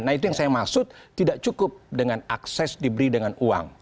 nah itu yang saya maksud tidak cukup dengan akses diberi dengan uang